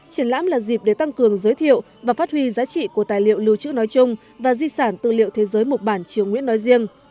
triển lãm là dịp để tăng cường giới thiệu và phát huy giá trị của tài liệu lưu trữ nói chung và di sản tư liệu thế giới mục bản triều nguyễn nói riêng